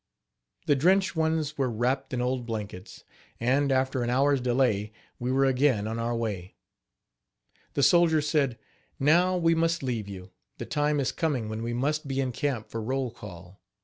The drenched ones were wrapped in old blankets; and, after an hour's delay, we were again on our way. The soldiers said: "Now we must leave you; the time is coming when we must be in camp for roll call.